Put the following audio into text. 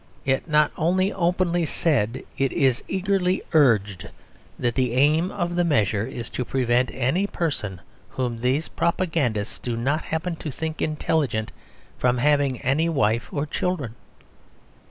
It is not only openly said, it is eagerly urged, that the aim of the measure is to prevent any person whom these propagandists do not happen to think intelligent from having any wife or children.